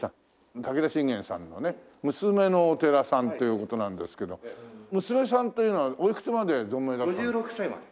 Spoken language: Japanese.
武田信玄さんのね娘のお寺さんという事なんですけど娘さんというのはおいくつまで存命だったんですか？